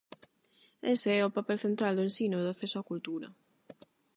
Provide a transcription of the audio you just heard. Ese é o papel central do ensino e do acceso á cultura.